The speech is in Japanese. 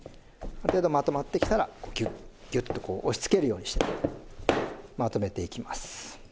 ある程度まとまってきたらギュッギュッとこう押しつけるようにしてまとめていきます。